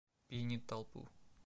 Пьянит толпу.